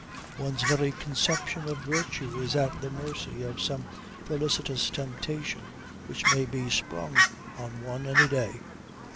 One's very conception of virtue is at the mercy of some felicitous temptation which may be sprung on one any day.